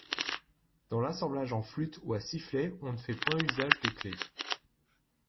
Dans l'assemblage en flûte ou à sifflet on ne fait point usage de clefs.